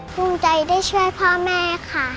ภูมิใจได้ช่วยพ่อแม่ค่ะ